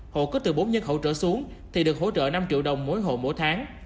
hộ có từ bốn nhân khẩu trở xuống thì được hỗ trợ năm triệu đồng mỗi hộ mỗi tháng